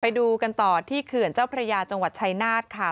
ไปดูกันต่อที่เขื่อนเจ้าพระยาจังหวัดชายนาฏค่ะ